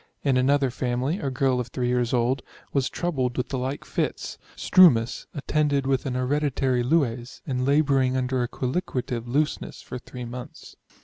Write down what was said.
In another family, a girl of 3 years old, was troubled with the like fits, strumous, attended with an hereditary lues, and labouring under a colliquative looseness for 3 months.